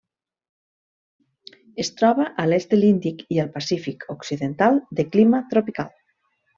Es troba a l'est de l'Índic i el Pacífic occidental de clima tropical.